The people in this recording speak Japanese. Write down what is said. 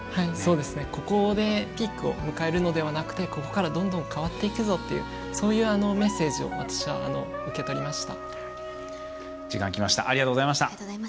ここでピークを迎えるのではなくてここからどんどん変わっていくぞというそういうメッセージを私は受け取りました。